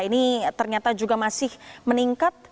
ini ternyata juga masih meningkat